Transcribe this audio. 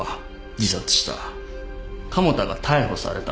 加茂田が逮捕された。